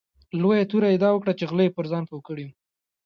لویه توره یې دا وکړه چې غله یې پر ځان پوه کړي وو.